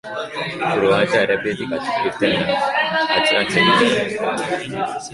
Furgoneta errepidetik irten da atzerantz egitean.